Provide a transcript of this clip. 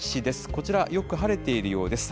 こちら、よく晴れているようです。